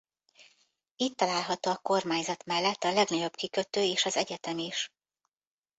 Itt található a kormányzat mellett a legnagyobb kikötő és az egyetem is.